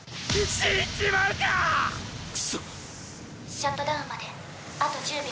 シャットダウンまであと１０秒。